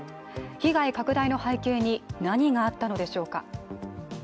被害拡大の背景に何があったのでしょうか。